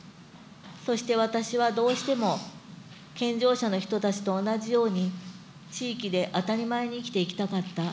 そして私はどうしても健常者の人たちと同じように地域で当たり前に生きていきたかった。